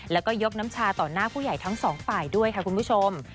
แล้วก็ยกน้ำชาต่อหน้าผู้ใหญ่ทั้งสองฝ่ายด้วยค่ะคุณผู้ชม